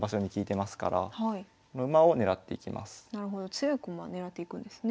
強い駒を狙っていくんですね。